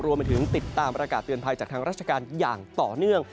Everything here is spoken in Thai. รวมไปถึงติดตามประกาศเตือนภัยจากทางราชการอย่างต่อเนื่อง